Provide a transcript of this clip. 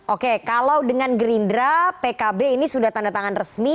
oke kalau dengan gerindra pkb ini sudah tanda tangan resmi